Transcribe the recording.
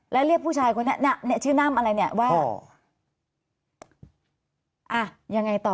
แล้วเรียกผู้ชายคนนี้เนี่ยชื่อน่ำอะไรเนี่ยว่าอ่ะยังไงต่อ